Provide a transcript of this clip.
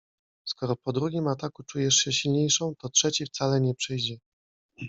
Skoro po drugim ataku czujesz się silniejszą, to trzeci wcale nie przyjdzie.